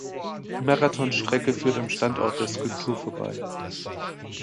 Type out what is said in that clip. Die Marathonstrecke führt am Standort der Skulptur vorbei.